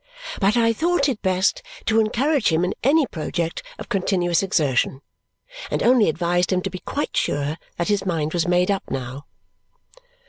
But I thought it best to encourage him in any project of continuous exertion, and only advised him to be quite sure that his mind was made up now.